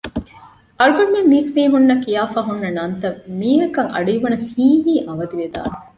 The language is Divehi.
އަޅުގަނޑުމެން މީސްމީހުންނަށް ކިޔާފައި ހުންނަ ނަންތައް މީހަކަށް އަޑުއިވުނަސް ހީނހީނ އަވަދިވެދާނެ